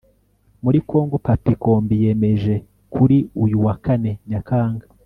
muri kongo, papi kombi yemeje kuri uyu wa kanenyakanga